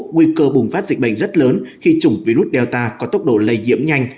nguy cơ bùng phát dịch bệnh rất lớn khi chủng virus delta có tốc độ lây nhiễm nhanh